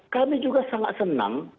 kami juga sangat senang